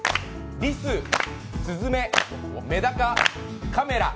リス、すずめ、メダカ、カメラ。